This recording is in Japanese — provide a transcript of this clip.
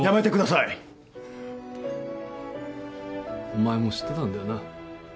お前も知ってたんだよな？